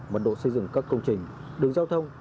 mật độ xây dựng các công trình đường giao thông